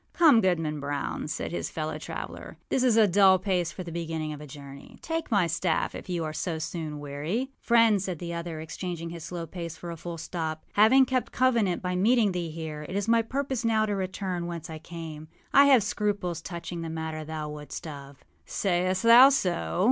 âCome, Goodman Brown,â cried his fellow traveller, âthis is a dull pace for the beginning of a journey. Take my staff, if you are so soon weary.â âFriend,â said the other, exchanging his slow pace for a full stop, âhaving kept covenant by meeting thee here, it is my purpose now to return whence I came. I have scruples touching the matter thou wotâst of.â âSayest thou so?